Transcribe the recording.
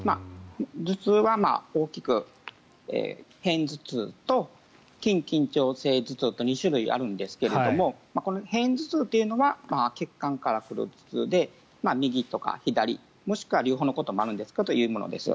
頭痛は大きく片頭痛と筋緊張性頭痛と２種類あるんですがこの片頭痛というのは血管から来る頭痛で、右とか左もしくは両方のこともあるんですがそういうものです。